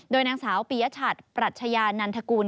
โดยนางสาวปียชัดปรัชญานันทกูล